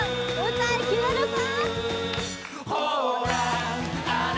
歌いきれるか？